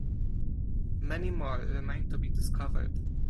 Many more remain to be discovered.